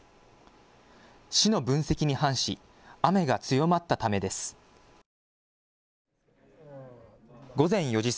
市の分析に反し雨が強まったためです。